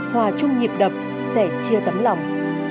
hòa chung nhịp đập sẻ chia tấm lòng